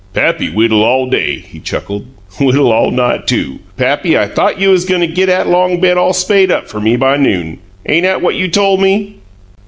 "Pappy whittle all day," he chuckled. "Whittle all night, too! Pappy, I thought you 'uz goin' to git 'at long bed all spade' up fer me by noon. Ain't 'at what you tole me?"